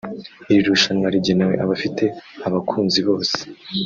Iri rushanwa rigenewe abafite abakunzi bose